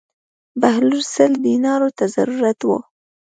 بهلول سل دینارو ته ضرورت و.